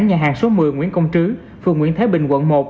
nhà hàng số một mươi nguyễn công trứ phường nguyễn thái bình quận một